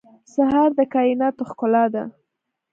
سهار د کایناتو ښکلا ده.